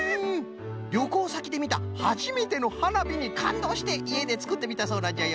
りょこうさきでみたはじめてのはなびにかんどうしていえでつくってみたそうなんじゃよ。